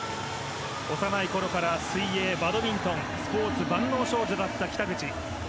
幼いころから水泳、バドミントンスポーツ万能少女だった北口。